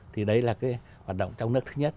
thì đấy là cái hoạt động trong nước thứ nhất